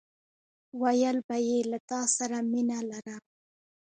ويل به يې له تاسره مينه لرم!